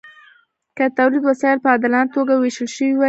که د تولید وسایل په عادلانه توګه ویشل شوي وای.